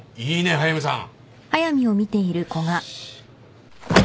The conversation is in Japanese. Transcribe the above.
速見さん。